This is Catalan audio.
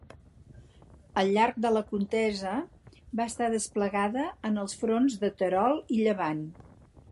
Al llarg de la contesa va estar desplegada en els fronts de Terol i Llevant.